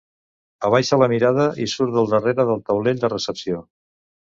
Abaixa la mirada i surt del darrere del taulell de recepció.